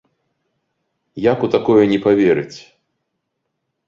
Як у такое не паверыць?